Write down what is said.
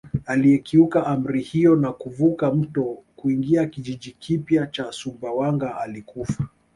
Aliyekiuka amri hiyo na kuvuka mto kuingia kijiji kipya cha Sumbawanga alikufa